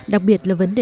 đặc biệt là vấn đề